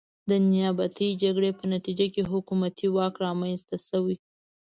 د نیابتي جګړې په نتیجه کې حکومتي واک رامنځته شوی.